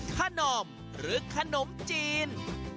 ขนอมหรือขนมจีน